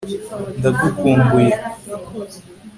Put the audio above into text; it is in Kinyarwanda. ndagukumbuye